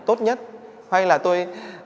tốt nhất hay là tôi